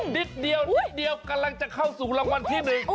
นิดเดียวกำลังจะเข้าสู่รางวัลที่หนึ่ง